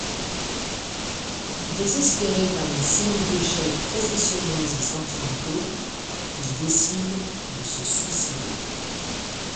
Désespérés par une série d'échecs professionnels et sentimentaux, ils décident de se suicider.